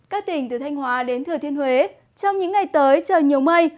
các tỉnh từ thanh hóa đến thừa thiên huế trong những ngày tới trời nhiều mây